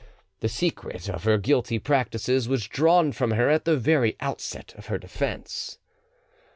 The secret of her guilty practices was drawn from her at the very outset of her defence.